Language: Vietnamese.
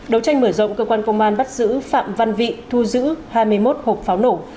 đấu tranh mở rộng cơ quan công an bắt giữ phạm văn vị thu giữ hai mươi một hộp pháo nổ